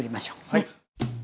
はい。